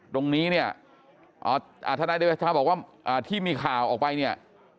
ตรงนี้เนี่ยทนายเดชาบอกว่าที่มีข่าวออกไปเนี่ย